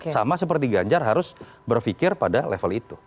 sama seperti ganjar harus berpikir pada level itu